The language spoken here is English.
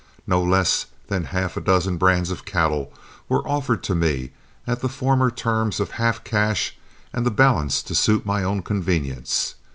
No less than half a dozen brands of cattle were offered to me at the former terms of half cash and the balance to suit my own convenience.